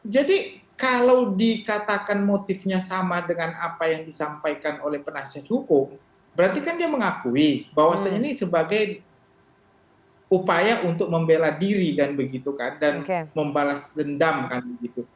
jadi kalau dikatakan motifnya sama dengan apa yang disampaikan oleh penasihat hukum berarti kan dia mengakui bahwasannya ini sebagai upaya untuk membela diri dan begitu kan dan membalas dendam kali gitu